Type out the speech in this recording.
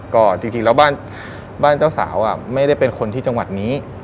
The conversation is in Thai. ก็จริงแล้วบ้านเจ้าสาวไม่ได้เป็นคนที่จังหวัดนี้